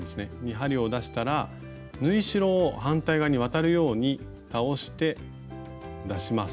針を出したら縫い代を反対側に渡るように倒して出します。